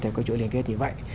theo cái chuỗi liên kết như vậy